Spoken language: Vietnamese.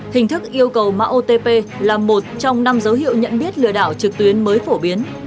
hình thức yêu cầu mạng otp là một trong năm dấu hiệu nhận biết lừa đảo trực tuyến mới phổ biến